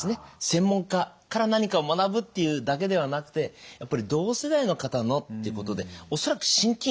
専門家から何かを学ぶっていうだけではなくてやっぱり同世代の方のってことで恐らく親近感。